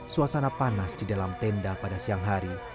suasana panas di dalam tenda pada siang hari